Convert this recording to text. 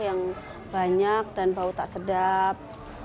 yang banyak dan bau tak sedap